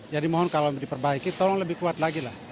jadi mohon kalau diperbaiki tolong lebih kuat lagi lah